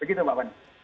begitu mbak wani